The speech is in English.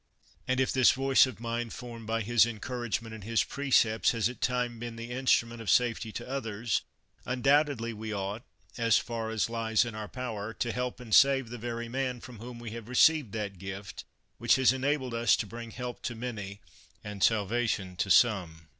And if this voice of mine, formed by his encouragement and his pre cepts, has at times been the instrument of safety to others, undoubtedly we ought, as far as lies in our power, to help and save the very man from whom we have received that gift which has enabled us to bring help to many and salva tion to some.